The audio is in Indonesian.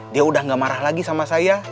dia udah gak marah lagi sama saya